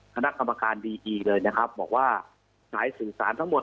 คณะกรรมการดีกีบเขาร่วมว่าสายสื่อสารทั้งหมด